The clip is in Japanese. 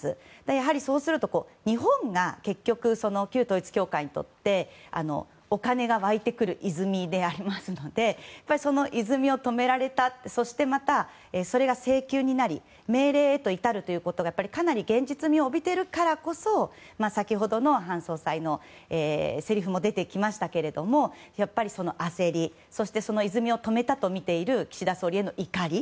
やはり、そうすると日本が結局旧統一教会にとってお金が湧いてくる泉でありますのでその泉を止められたそしてまた、それが請求になり命令へと至るということがかなり現実味を帯びているからこそ先ほどの韓総裁のせりふも出てきましたけどもやはり、その焦りそして、泉を止めたとみている岸田総理への怒り。